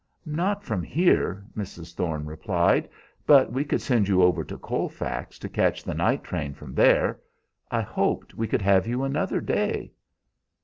"Not from here," Mrs. Thorne replied; "but we could send you over to Colfax to catch the night train from there. I hoped we could have you another day."